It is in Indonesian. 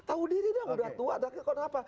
tahu diri dong